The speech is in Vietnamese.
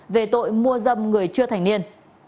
về tội mua dâm người chưa thành niên